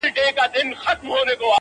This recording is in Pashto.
وخت د ژوند تر ټولو مهم سرمایه ده.